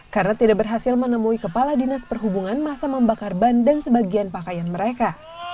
karena tidak berhasil menemui kepala dinas perhubungan masa membakar ban dan sebagian pakaian mereka